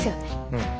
うん。